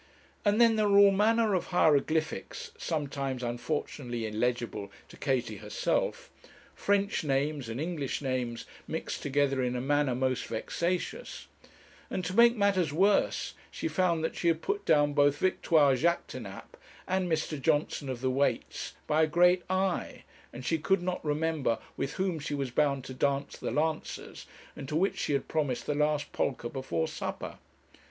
And then there were all manner of hieroglyphics sometimes, unfortunately, illegible to Katie herself French names and English names mixed together in a manner most vexatious; and to make matters worse, she found that she had put down both Victoire Jaquêtanàpe and Mr. Johnson of the Weights, by a great I, and she could not remember with whom she was bound to dance the lancers, and to which she had promised the last polka before supper.